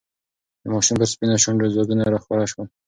د ماشوم پر سپینو شونډو ځگونه راښکاره شول.